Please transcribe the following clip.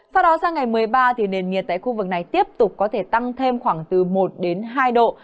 sau đó sang ngày một mươi ba thì nền nhiệt tại khu vực này tiếp tục có thể tăng thêm khoảng từ một đến hai độ